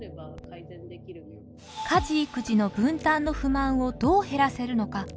家事育児の分担の不満をどう減らせるのか？